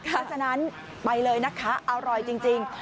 เพราะฉะนั้นไปเลยนะคะอร่อยจริง